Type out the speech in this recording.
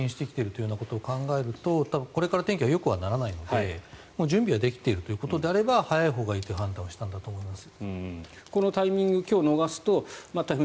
台風が接近してきているということを考えるとこれから天気はよくはならないので準備はできているということであれば早いほうがいいということだと思います。